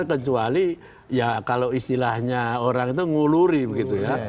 kecuali ya kalau istilahnya orang itu nguluri begitu ya